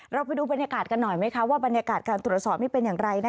ไปดูบรรยากาศกันหน่อยไหมคะว่าบรรยากาศการตรวจสอบนี่เป็นอย่างไร